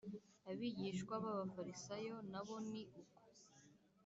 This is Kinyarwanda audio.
abigishwa b abafarisayo na bo ni uko